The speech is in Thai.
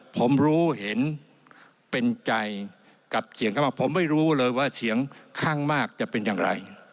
ผมรู้เห็นเป็นใจกับเสียงข้างมากผมไม่รู้เลยว่าเสียงข้างมากจะเป็นอย่างไร